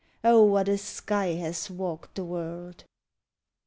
O what a sky has walked the world!